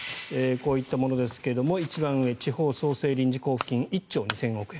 こういったものですが一番上地方創生臨時交付金１兆２０００億円。